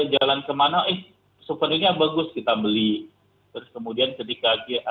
jalan kemana eh souvenirnya bagus kita beli terus kemudian ketika